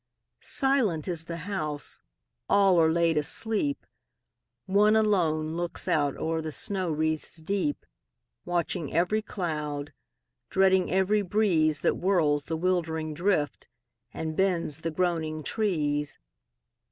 Silent is the house: all are laid asleep: One alone looks out o'er the snow wreaths deep, Watching every cloud, dreading every breeze That whirls the wildering drift, and bends the groaning trees.